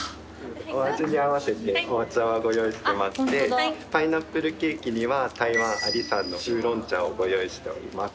お味に合わせて奉茶はご用意してましてパイナップルケーキには台湾阿里山のウーロン茶をご用意しております。